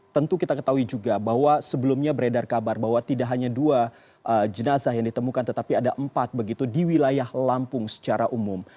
tentu kita ketahui juga bahwa sebelumnya beredar kabar bahwa tidak hanya dua jenazah yang ditemukan tetapi ada empat begitu di wilayah lampung secara umum